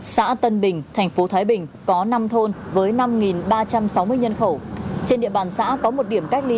xã tân bình thành phố thái bình có năm thôn với năm ba trăm sáu mươi nhân khẩu trên địa bàn xã có một điểm cách ly